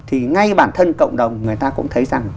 thì ngay bản thân cộng đồng người ta cũng thấy rằng